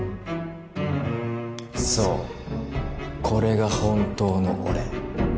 そうこれが本当の俺